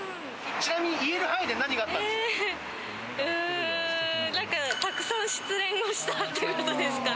ちなみに言える範囲で何があったんですか？